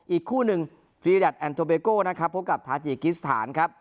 อีกคู่หนึ่งฟรีดัทแอนโทเบโก้นะครับพบกับทาจิกิสถานครับ